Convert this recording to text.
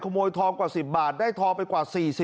ขโมยทองกว่า๑๐บาทได้ทองไปกว่า๔๐